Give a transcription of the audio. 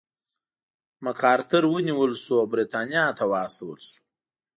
مک ارتر ونیول شو او برېټانیا ته واستول شو.